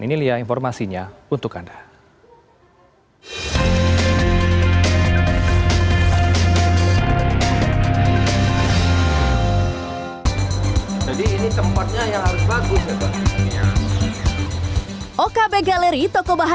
ini lia informasinya untuk anda